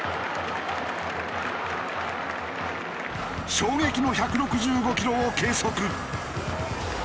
衝撃の１６５キロを計測。